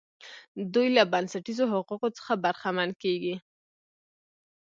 دوی له بنسټیزو حقوقو څخه برخمن کیږي.